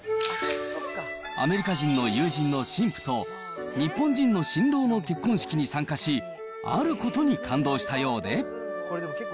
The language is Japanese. アメリカ人の友人の新婦と、日本人の新郎の結婚式に参加し、あることに感動したようで。